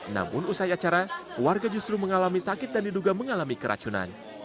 namun usai acara warga justru mengalami sakit dan diduga mengalami keracunan